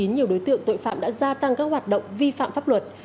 nhiều đối tượng tội phạm đã gia tăng các hoạt động vi phạm pháp luật